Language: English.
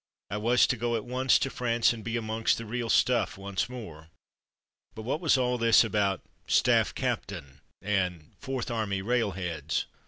I was to go at once to France, and be amongst the real stuff once more. But what was all this about ''Staff Captain/' and "Fourth Army Railheads''?